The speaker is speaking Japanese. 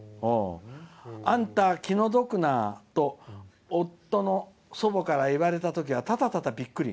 「あんた気の毒な」と夫の祖母から言われたときはただただ、びっくり。